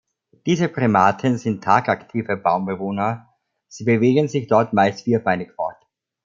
Diese Primaten sind tagaktive Baumbewohner, sie bewegen sich dort meist vierbeinig fort.